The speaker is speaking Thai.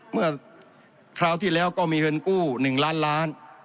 เมื่อคราวที่แล้วก็มีเหินกู้๑ล้าน